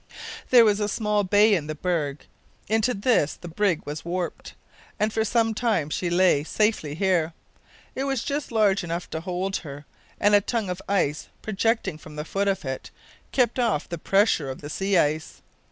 There was a small bay in the berg. Into this the brig was warped, and for some time she lay safely here. It was just large enough to hold her, and a long tongue of ice, projecting from the foot of it, kept off the pressure of the sea ice.